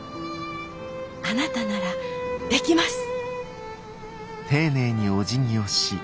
あなたならできます。